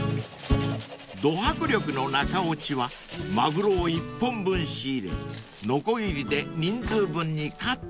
［ど迫力の中落ちはマグロを１本分仕入れのこぎりで人数分にカット］